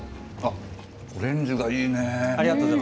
オレンジがいいね。